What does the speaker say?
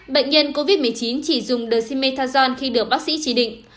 bệnh nhân covid một mươi chín chỉ dùng dexamethasone khi được bác sĩ chỉ định